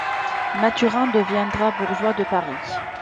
Mathurin deviendra bourgeois de Paris.